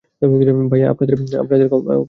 ভাইয়া, আপনার কমল পা কোথায়?